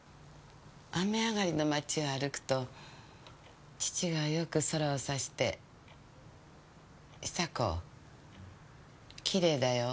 雨上がりの町を歩くと父がよく空を指して「比佐子キレイだよ。